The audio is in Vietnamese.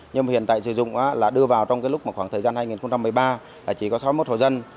nhưng mà hiện tại sử dụng là đưa vào trong cái lúc mà khoảng thời gian hai nghìn một mươi ba là chỉ có sáu mươi một hộ dân